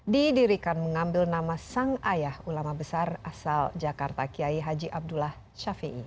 didirikan mengambil nama sang ayah ulama besar asal jakarta kiai haji abdullah shafi'i